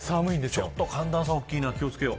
ちょっと寒暖差大きいな気をつけよう。